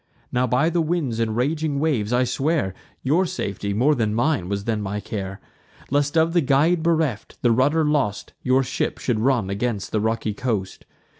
Now by the winds and raging waves I swear, Your safety, more than mine, was then my care; Lest, of the guide bereft, the rudder lost, Your ship should run against the rocky coast.